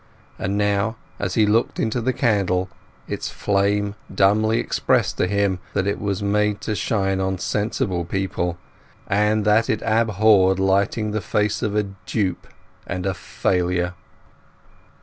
And now as he looked into the candle its flame dumbly expressed to him that it was made to shine on sensible people, and that it abhorred lighting the face of a dupe and a failure.